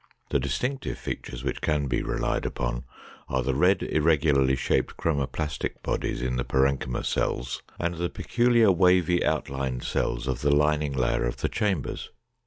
The distinctive features which can be relied upon are the red, irregularly shaped, chromoplastic bodies in the parenchyma cells, and the peculiar wavy outlined cells of the lining layer of the chambers.